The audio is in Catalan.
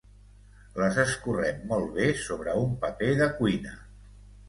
Les escorrem molt bé sobre un paper de cuina.